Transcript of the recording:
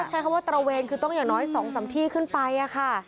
ใช้คำว่าตระเวนคือต้องอย่างน้อย๒๓ที่ขึ้นไปค่ะ